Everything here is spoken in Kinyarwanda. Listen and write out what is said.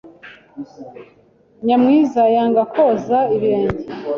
Nyamwiza yanga koza ibirenge.